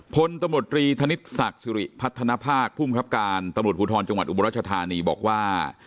พลตมตรีธนิสสักศิริพัฒนภาคผู้มีความความคิดการตมตรภูทรจังหวัดอุบราชธานีบอกว่า